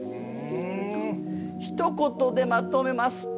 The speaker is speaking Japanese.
ひと言でまとめますと。